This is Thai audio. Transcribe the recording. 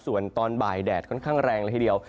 ส่วนตอนบ่ายแดดค่อนข้างแรงละทีเดียว